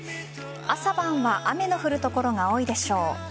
朝晩は雨の降る所が多いでしょう。